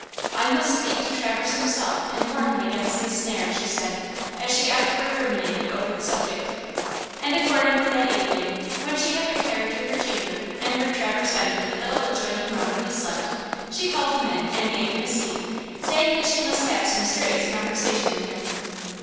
"I must speak to Traverse himself and warn him against this snare," she said, as she afterward ruminated over the subject. And accordingly that evening, when she had retired to her chamber and heard Traverse enter the little adjoining room where he slept, she called him in, and gave him a seat, saying that she must have some serious conversation with him.